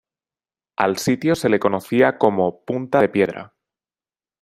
Al sitio se le conocía como "Punta de Piedra".